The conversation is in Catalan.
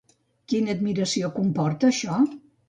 Quina admiració comporta, això?